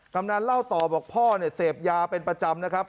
กำนันเล่าต่อบอกพ่อเนี่ยเสพยาเป็นประจำนะครับ